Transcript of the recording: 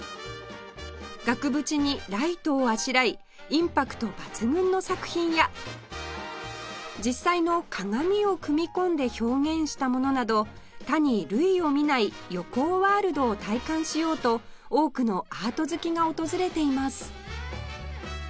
額縁にライトをあしらいインパクト抜群の作品や実際の鏡を組み込んで表現したものなど他に類を見ない横尾ワールドを体感しようと多くのアート好きが訪れています